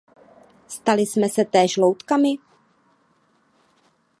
Stali jsme se též loutkami?